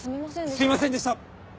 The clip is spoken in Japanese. すいませんでした！